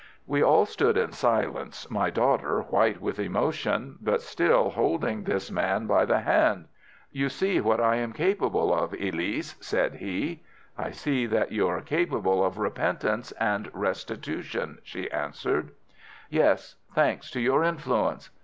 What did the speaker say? "We all stood in silence, my daughter white with emotion, but still holding this man by the hand. "'You see what I am capable of, Elise,' said he. "'I see that you are capable of repentance and restitution,' she answered. "'Yes, thanks to your influence!